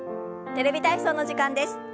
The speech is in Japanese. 「テレビ体操」の時間です。